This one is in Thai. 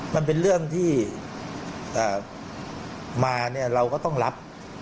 มันเป็นเรื่องที่มาเนี่ยเราก็ต้องรับ